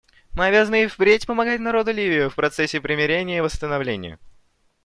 Мы обязаны и впредь помогать народу Ливии в процессе примирения и восстановления.